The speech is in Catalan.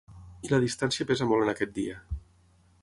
I la distància pesa molt en aquest dia.